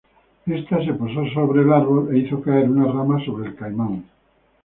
Esta se posó sobre el árbol e hizo caer una rama sobre el caimán.